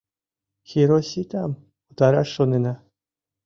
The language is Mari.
— Хироситам утараш шонена